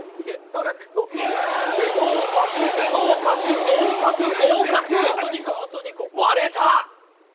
不合格不合格合格合格割れた！